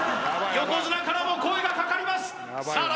横綱からも声がかかりますさあ